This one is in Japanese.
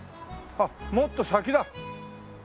あっもっと先だ。